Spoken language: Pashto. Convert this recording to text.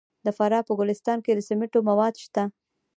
د فراه په ګلستان کې د سمنټو مواد شته.